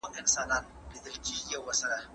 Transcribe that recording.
د بې نورمۍ ځان وژنه د جبري ځان وژني سره توپير لري.